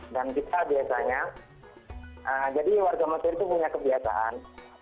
dan kita biasanya jadi warga mesir itu punya kebiasaan